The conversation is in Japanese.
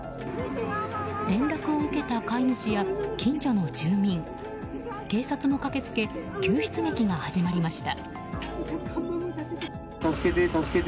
連絡を受けた飼い主や近所の住民警察も駆けつけ救出劇が始まりました。